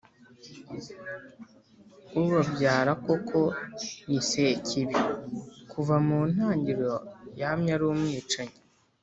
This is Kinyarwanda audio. Ubabyara koko ni Sekibi,...Kuva mu ntangiriro yamye ari umwicanyi,